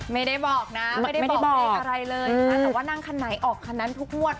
ไม่ได้บอกนะไม่ได้บอกเลขอะไรเลยค่ะแต่ว่านั่งคันไหนออกคันนั้นทุกงวด